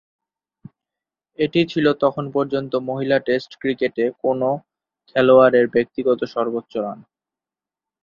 এটি ছিল তখন পর্যন্ত মহিলা টেস্ট ক্রিকেটে কোনও খেলোয়াড়ের ব্যক্তিগত সর্বোচ্চ রান।